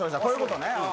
こういうことね。